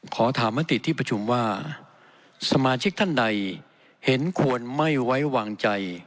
ขอถามมติที่ประชุมว่าสมาชิกท่านใดเห็นควรไม่ไว้วางใจ